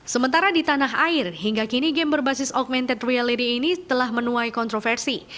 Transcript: sementara di tanah air hingga kini game berbasis augmented reality ini telah menuai kontroversi